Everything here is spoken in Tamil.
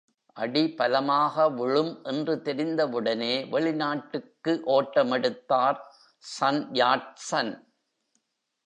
அடி பலமாக விழும் என்று தெரிந்தவுடனே வெளிநாட்டுக்கு ஓட்ட மெடுத்தார் சன் யாட் சன்.